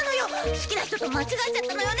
好きな人と間違えちゃったのよね。